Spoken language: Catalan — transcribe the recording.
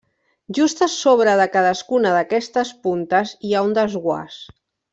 Just a sobre de cadascuna d'aquestes puntes hi ha un desguàs.